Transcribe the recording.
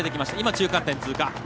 中間点通過。